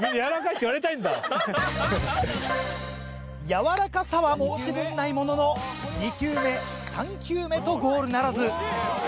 柔らかさは申し分ないものの２球目３球目とゴールならず。